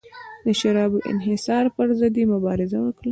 د شرابو د انحصار پرضد یې مبارزه وکړه.